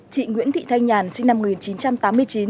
chị nguyễn thị thanh nhàn sinh năm một nghìn chín trăm tám mươi chín